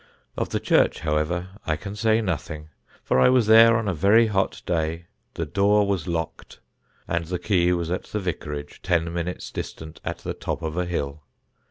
Of the church, however, I can say nothing, for I was there on a very hot day, the door was locked, and the key was at the vicarage, ten minutes' distant, at the top of a hill.